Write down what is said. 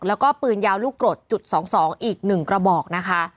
แล้วก็ปืนยาวลูกกรดจุด๒๒อีก๑กระบอกนะคะ